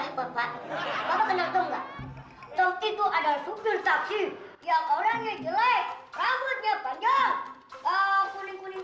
bapak bapak kenal enggak itu ada supir taksi yang orangnya jelek rambutnya panjang kuning kuning